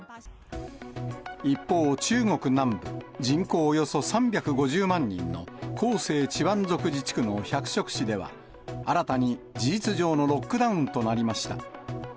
一方、中国南部、人口およそ３５０万人の広西チワン族自治区の百色市では、新たに事実上のロックダウンとなりました。